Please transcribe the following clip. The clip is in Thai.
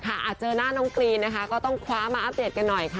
ก็อย่าเสียได้เหมือนว่าราคอนกำลังเสนูกเลยค่ะ